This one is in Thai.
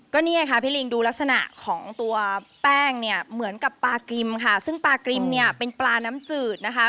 นี่ไงค่ะพี่ลิงดูลักษณะของตัวแป้งเนี่ยเหมือนกับปลากริมค่ะซึ่งปลากริมเนี่ยเป็นปลาน้ำจืดนะคะ